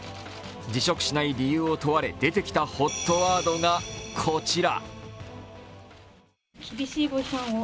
辞職しない理由を問われ出てきたＨＯＴワードがこちら。